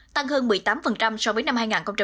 tăng hơn một mươi tám so với năm hai nghìn một mươi bảy